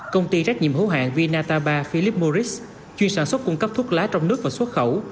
công ty trách nhiệm hữu hạng vinataba philip morris chuyên sản xuất cung cấp thuốc lá trong nước và xuất khẩu